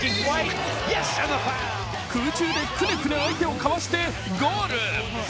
空中でくねくね相手をかわしてゴール。